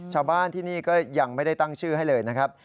ชาวบ้านที่นี่ก็ยังไม่ได้ตั้งชื่อให้เลยนะครับ